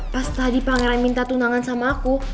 pas tadi pangeran minta tunangan sama aku